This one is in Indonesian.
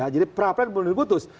jadi perapradilan belum diputus